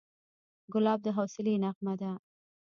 ګلاب د حوصلې نغمه ده.